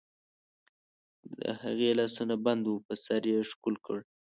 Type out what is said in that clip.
د هغې لاسونه بند وو، په سر یې ښکل کړ.